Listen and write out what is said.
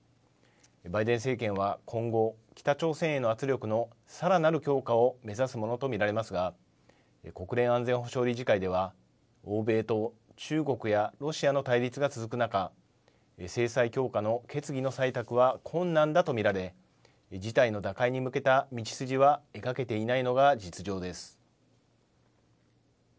バイデン政権は今後、北朝鮮への圧力のさらなる強化を目指すものと見られますが、国連安全保障理事会では、欧米と中国やロシアの対立が続く中、制裁強化の決議の採択は困難だと見られ、事態の打開に向けた道筋は描けていないのが実情です。